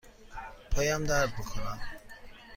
پایم درد می کند.